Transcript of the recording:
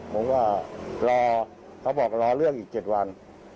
ผมก็รอเขาบอกรอเรื่องอีก๗วัน